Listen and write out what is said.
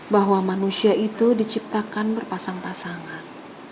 bahwa manusia itu diciptakan berpasang pasangan